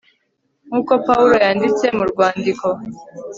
nk'uko pawulo yanditse mu rwandiko